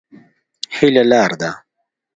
هيله لار ده.